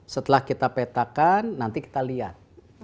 setelah kita petakan nanti kita lihat